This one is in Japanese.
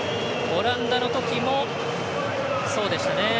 オランダのときもそうでしたね。